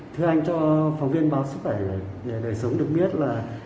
thưa anh cho phóng viên báo sức khỏe để đời sống được biết là